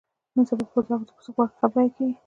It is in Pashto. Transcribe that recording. نن سبا په بازار کې د پسه غوښه ښه بیه کېږي.